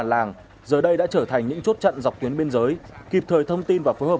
làng giờ đây đã trở thành những chốt trận dọc tuyến biên giới kịp thời thông tin và phối hợp